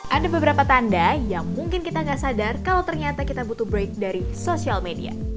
ada beberapa tanda yang mungkin kita nggak sadar kalau ternyata kita butuh break dari sosial media